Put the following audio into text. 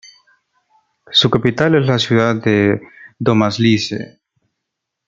Su capital es la ciudad de Domažlice.